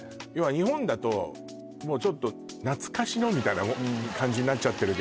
日本だともうちょっと懐かしのみたいな感じになっちゃってるけど